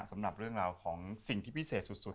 สำหรับเรื่องราวของสิ่งที่พิเศษสุด